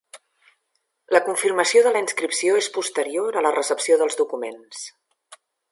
La confirmació de la inscripció és posterior a la recepció dels documents.